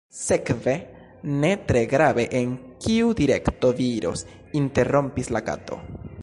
"Sekve, ne tre grave en kiu direkto vi iros," interrompis la Kato.